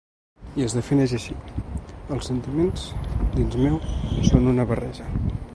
I es defineix així: Els sentiments dins meu són una barreja.